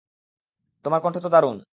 তোমার কন্ঠ তো দারুণ।